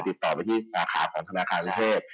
ต่อไปเข้าที่สถานการณ์สุเทศ